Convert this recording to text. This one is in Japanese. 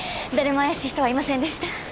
誰も怪しい人はいませんでした。